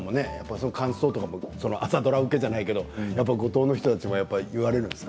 その感想とかも朝ドラ受けじゃないけれども五島の人も言われるんですか？